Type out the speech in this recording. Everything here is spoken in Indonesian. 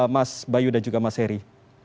mas bayu dan juga mas heri